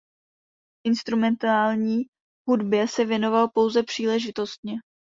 Instrumentální hudbě se věnoval pouze příležitostně.